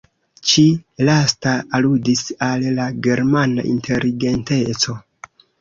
Ĉi-lasta aludis al la germana inteligenteco.